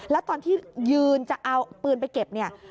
แล้วตอนที่ยืนจะเอาปืนไปเก็บเนี่ย